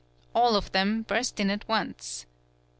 All of them burst in at once.